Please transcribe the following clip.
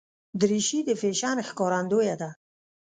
دریشي د فیشن ښکارندویه ده.